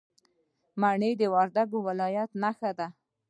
مڼې د وردګو ولایت نښان دی.